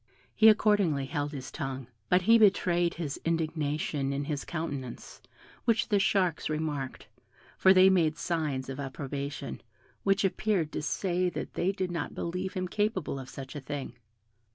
He accordingly held his tongue: but he betrayed his indignation in his countenance, which the sharks remarked, for they made signs of approbation, which appeared to say that they did not believe him capable of such a thing.